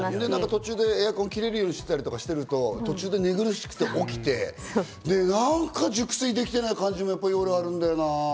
途中でエアコン切れるようにしたりすると、寝苦しくて起きて、なんか熟睡できてない感じが俺、あるんだよな。